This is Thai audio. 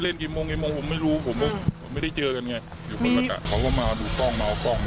ส่วนชาวบ้านที่อยู่ในระแวกพื้นที่นะครับ